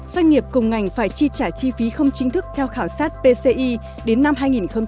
doanh nghiệp cùng ngành phải chi trả chi phí không chính thức theo khảo sát pci đến năm hai nghìn hai mươi